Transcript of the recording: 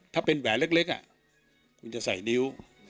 ถ้าเป็นแหวนเล็กคุณจะใส่นิ้ว